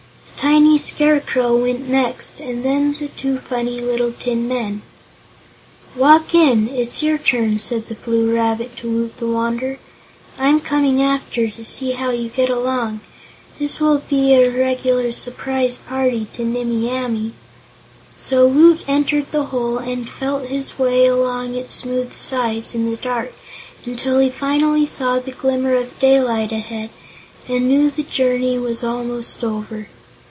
A tiny Scarecrow went next and then the two funny little tin men. "Walk in; it's your turn," said the Blue Rabbit to Woot the Wanderer. "I'm coming after, to see how you get along. This will be a regular surprise party to Nimmie Amee." So Woot entered the hole and felt his way along its smooth sides in the dark until he finally saw the glimmer of daylight ahead and knew the journey was almost over.